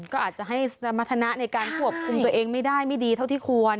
ก็อาจจะให้สมรรถนะในการควบคุมตัวเองไม่ได้ไม่ดีเท่าที่ควร